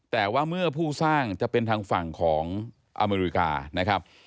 แต่ว่าเมื่อผู้สร้างจะเป็นทางฝั่งของอเมริกานะครับ